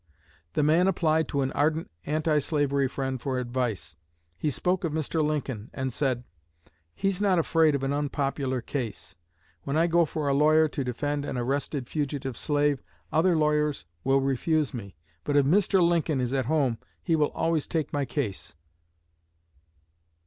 The man applied to an ardent anti slavery friend for advice. He spoke of Mr. Lincoln, and said, 'He's not afraid of an unpopular case. When I go for a lawyer to defend an arrested fugitive slave, other lawyers will refuse me. But if Mr. Lincoln is at home he will always take my case.'"